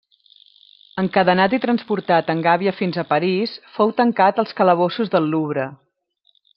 Encadenat i transportat en gàbia fins a París, fou tancat als calabossos del Louvre.